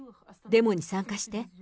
デモに参加して。